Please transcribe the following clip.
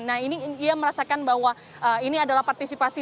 nah ini ia merasakan bahwa ini adalah partisipasi